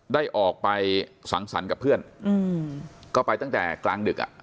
ได้ออกไปสังสรรค์กับเพื่อนอืมก็ไปตั้งแต่กลางดึกอ่ะ